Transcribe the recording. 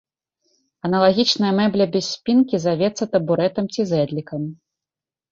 Аналагічная мэбля без спінкі завецца табурэтам ці зэдлікам.